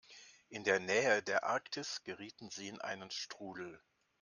In der Nähe der Arktis gerieten sie in einen Strudel.